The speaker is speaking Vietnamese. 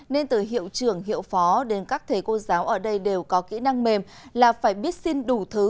nên từ hiệu trưởng hiệu phó đến các thầy cô giáo ở đây đều có kỹ năng mềm là phải biết xin đủ thứ